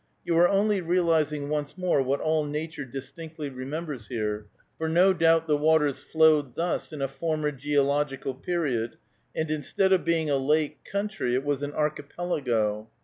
You are only realizing once more what all nature distinctly remembers here, for no doubt the waters flowed thus in a former geological period, and, instead of being a lake country, it was an archipelago.